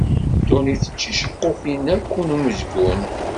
Dunnit d ticeqqufin akk n umezgun.